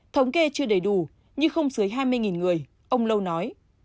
thống kê chưa đầy đủ nhưng không dưới hai mươi người ông lâu nói